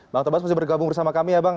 bang tobas masih bergabung bersama kami ya bang